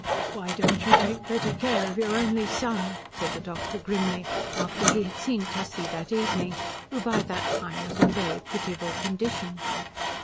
"Why don't you take better care of your only son?" said the doctor grimly after he had seen Tussie that evening, who by that time was in a very pitiable condition.